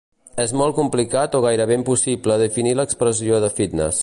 És molt complicat o gairebé impossible definir l'expressió de fitnes.